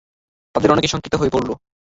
তাদের অনেকেই শঙ্কিত হয়ে পড়ল।